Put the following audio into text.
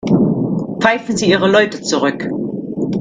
Pfeifen Sie Ihre Leute zurück.